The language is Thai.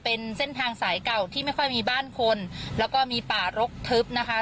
เป็นเส้นทางสายเก่าที่ไม่ค่อยมีบ้านคนแล้วก็มีป่ารกทึบนะคะ